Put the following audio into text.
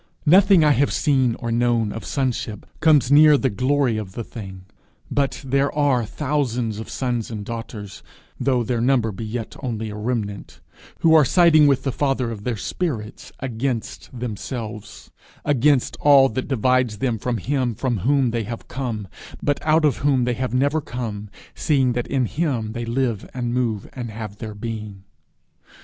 Nothing I have seen or known of sonship, comes near the glory of the thing; but there are thousands of sons and daughters, though their number be yet only a remnant, who are siding with the father of their spirits against themselves, against all that divides them from him from whom they have come, but out of whom they have never come, seeing that in him they live and move and have their being.